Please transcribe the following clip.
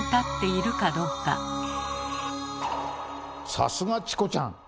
さすがチコちゃん！